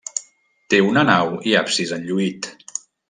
Té una nau i absis enlluït.